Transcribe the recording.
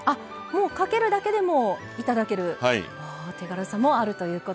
もうかけるだけでも頂ける手軽さもあるということです。